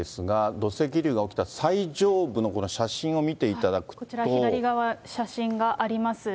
土石流が起きた最上部の写真を見こちら、左側、写真があります。